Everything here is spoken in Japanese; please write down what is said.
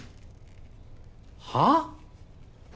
はあ？